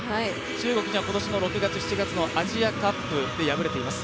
中国には今年７月のアジアカップで敗れています。